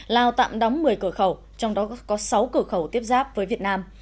lào tạm đóng một mươi cửa khẩu trong đó có sáu cửa khẩu tiếp giáp với việt nam